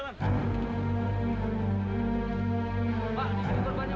ya udah kita bisa